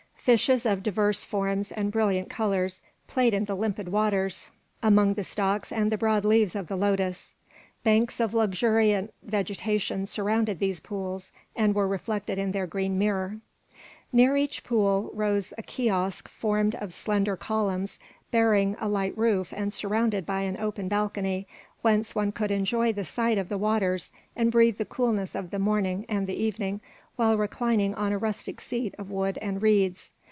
Fishes of divers forms and brilliant colours played in the limpid waters among the stalks and the broad leaves of the lotus. Banks of luxuriant vegetation surrounded these pools and were reflected in their green mirror. Near each pool rose a kiosk formed of slender columns bearing a light roof and surrounded by an open balcony whence one could enjoy the sight of the waters and breathe the coolness of the morning and the evening while reclining on a rustic seat of wood and reeds.